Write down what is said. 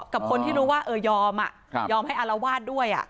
กับคนที่รู้ว่ายอมยอมให้อารวาสด้วย